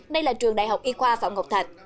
nay là trường đại học y khoa phạm ngọc thạch